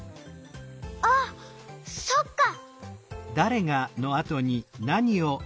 あっそっか！